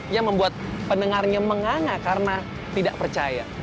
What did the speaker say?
yang membuat pendengarnya menganga karena tidak percaya